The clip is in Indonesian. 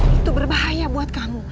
itu berbahaya buat kamu